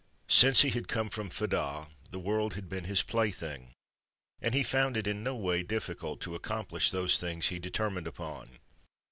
Since he had come from Fedah, the world had been his plaything, and he found it in no way difficult to accomplish those things he determined upon.